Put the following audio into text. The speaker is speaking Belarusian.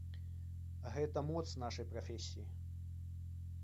Гэта моц нашай прафесіі.